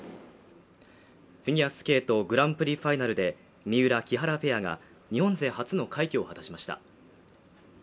フィギュアスケートグランプリファイナルで三浦・木原ペアが日本勢初の快挙を果たしました